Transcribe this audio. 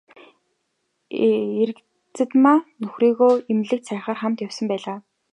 Эрэгзэдмаа нөхрийгөө эмнэлэгт сахихаар хамт явсан байлаа.